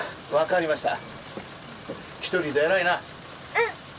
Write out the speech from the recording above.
うん！